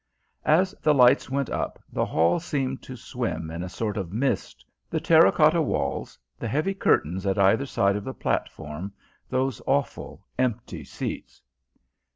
As the lights went up the hall seemed to swim in a sort of mist: the terra cotta walls, the heavy curtains at either side of the platform, those awful empty seats!